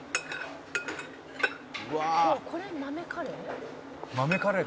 「これ豆カレー？」